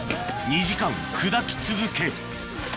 ２時間砕き続け